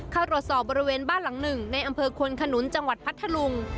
เข้าตรวจสอบบริเวณบ้านหลังหนึ่งในอำเภอควนขนุนจังหวัดพัทธลุง